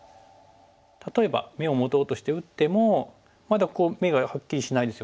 例えば眼を持とうとして打ってもまだ眼がはっきりしないですよね。